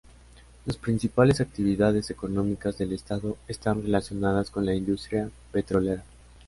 Las principales actividades económicas del estado están relacionadas con la industria petrolera.